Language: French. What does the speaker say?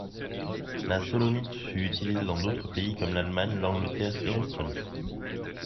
La solomite fut utilisée dans d'autres pays comme l'Allemagne, l'Angleterre et l'Australie.